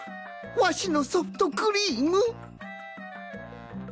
わしのソフトクリーム！